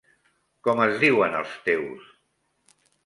Com es diuen els teus.?